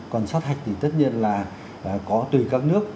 còn sát hạch thì tất nhiên là có từ các nước